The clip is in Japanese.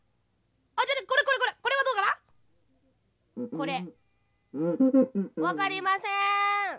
これわかりません。